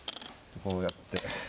こうやって。